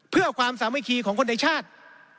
เพื่อความสามัคคีของคนในชาติ